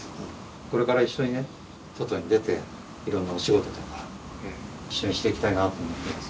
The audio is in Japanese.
これから一緒にね外に出ていろんなお仕事とか一緒にしていきたいなと思っています。